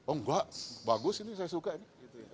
oh enggak bagus ini saya suka ini